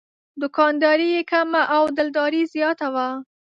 دوکانداري یې کمه او دلداري زیاته وه.